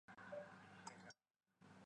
冰岛马是发展自冰岛的一个马品种。